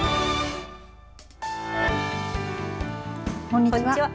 こんにちは。